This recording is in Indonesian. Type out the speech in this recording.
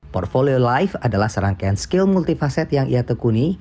portfolio life adalah serangkaian skill multifasat yang ia tekuni